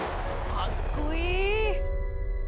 かっこいい！